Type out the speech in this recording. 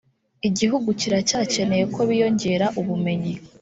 igihugu kiracyakeneye ko biyongera ubumenyi